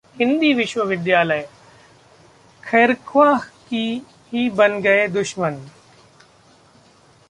हिंदी विश्वविद्यालय: खैरख्वाह ही बन गए दुश्मन